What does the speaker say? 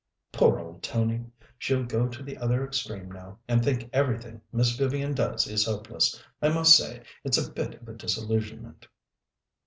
"Poor old Tony! She'll go to the other extreme now, and think everything Miss Vivian does is hopeless. I must say, it's a bit of a disillusionment."